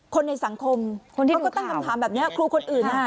คนในสังคมคนที่ก็ตั้งคำถามแบบนี้ครูคนอื่น